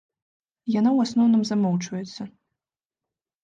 Яна ў асноўным замоўчваецца.